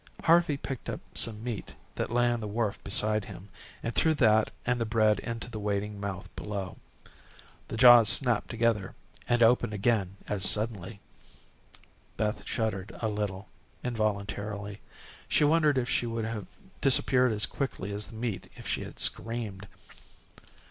Harvey picked up some meat that lay on the wharf beside him, and threw that and the bread into the waiting mouth below. The jaws snapped together, and opened again as suddenly. Beth shuddered a little, involuntarily. She wondered if she would have disappeared as quickly as the meat if she had screamed.